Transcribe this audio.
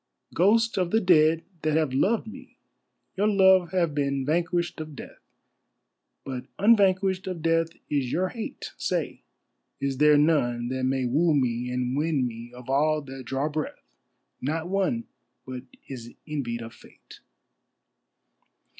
Ghosts of the dead that have loved me, your love has been vanquished of death, But unvanquished of death is your hate; Say, is there none that may woo me and win me of all that draw breath, Not one but is envied of Fate?